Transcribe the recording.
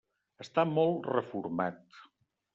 Està molt reformat.